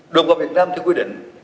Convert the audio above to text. đột vào việt nam theo quy định